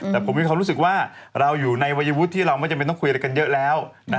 แต่ผมมีความรู้สึกว่าเราอยู่ในวัยวุฒิที่เราไม่จำเป็นต้องคุยอะไรกันเยอะแล้ว